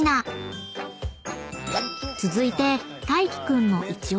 ［続いて］